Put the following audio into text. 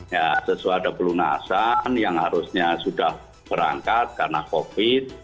ya sesuai ada pelunasan yang harusnya sudah berangkat karena covid